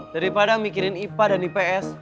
daripada mikirin ipa dan ips